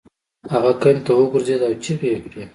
هغه کندې ته وغورځید او چیغې یې کړې.